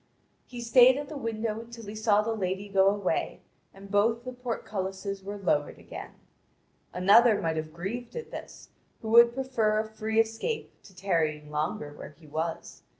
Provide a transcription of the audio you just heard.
He stayed at the window until he saw the lady go away, and both the portcullises were lowered again. Another might have grieved at this, who would prefer a free escape to tarrying longer where he was.